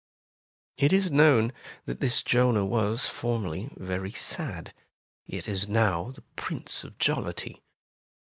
'' It is known that this Jonah was formerly very sad, yet is now the Prince of Jollity.